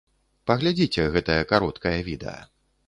Паглядзіце гэтае кароткае відэа!